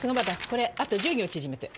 これあと１０行縮めて。